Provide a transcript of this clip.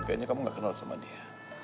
kayaknya kamu gak kenal sama dia